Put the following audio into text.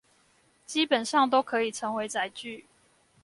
基本上都可以成為載具